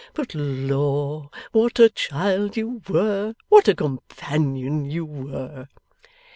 But Lor, what a child you were! What a companion you were!